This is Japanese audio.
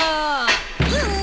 うん。